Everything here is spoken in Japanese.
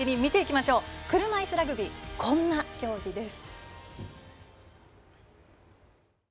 車いすラグビーこんな競技です。